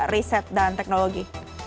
riset dan teknologi